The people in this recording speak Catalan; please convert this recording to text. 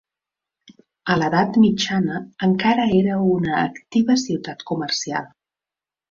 A l'edat mitjana encara era una activa ciutat comercial.